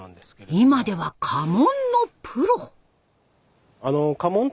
今では家紋のプロ。